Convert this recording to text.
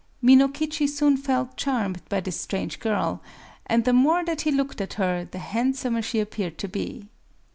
Minokichi soon felt charmed by this strange girl; and the more that he looked at her, the handsomer she appeared to be.